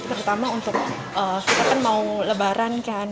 terutama untuk kita kan mau lebaran kan